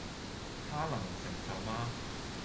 他能承受嗎？